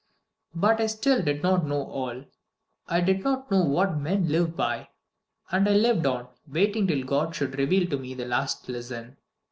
"But I still did not know all. I did not know What men live by. And I lived on, waiting till God should reveal to me the last lesson.